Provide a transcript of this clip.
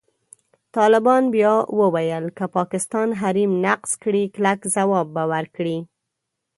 طالبان بیا وویل، که پاکستان حریم نقض کړي، کلک ځواب به ورکړي.